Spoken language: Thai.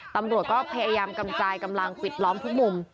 ตำรวจก็พยายามกระจายกำลังปิดล้อมทุกมุม